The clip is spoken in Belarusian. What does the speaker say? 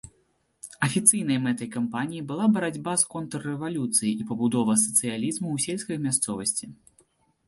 Афіцыйнай мэтай кампаніі была барацьба з контррэвалюцыяй і пабудова сацыялізму ў сельскай мясцовасці.